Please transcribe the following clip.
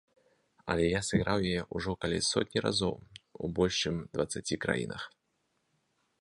Але я сыграў яе ўжо каля сотні разоў у больш чым дваццаці краінах.